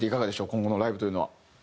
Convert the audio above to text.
今後のライブというのは。